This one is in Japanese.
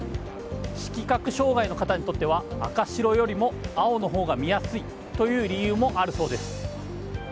色覚障害の方にとっては赤白よりも青のほうが見やすいという理由もあるそうです。